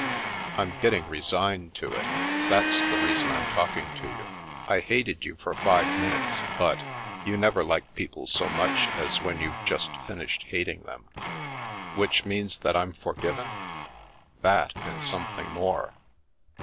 "I'm getting resigned to it. That's the reason I'm talking to you. I hated you for five minutes; 290 The Princess Passes but — ^you never like people so much as when you've just finished hating diem." " Which means that I'm forgiven ?" That, and something more."